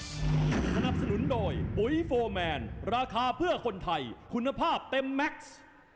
สนับสนุนโดยปุ๋ยโฟร์แมนราคาเพื่อคนไทยคุณภาพเต็มแม็กซ์